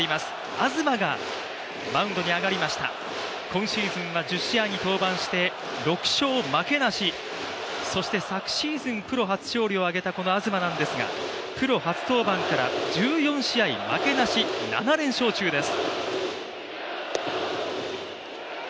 東がマウンドに上がりました、今シーズンは１０試合に登板して６勝負けなし、そして昨シーズンプロ初勝利を挙げたこの東なんですがプロ初登板から１４試合負けなし７連勝中です。